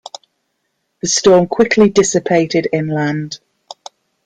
The storm quickly dissipated inland.